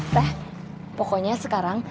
teh pokoknya sekarang